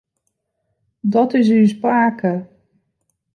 Dat is ús pake.